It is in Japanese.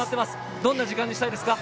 どんな時間にしたいですか？